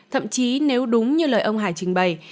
thậm chí nếu đúng như lời ông hải trình bày